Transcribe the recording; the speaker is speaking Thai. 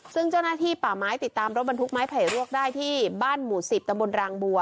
ซึ่งเจ้าหน้าที่ป่าไม้ติดตามรถบรรทุกไม้ไผ่รวกได้ที่บ้านหมู่๑๐ตำบลรางบัว